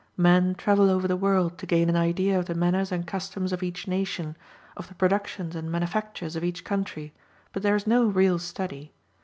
Men travel over the world to gain an idea of the manners and customs of each nation, of the productions and manufactures of each country, but there is no real study.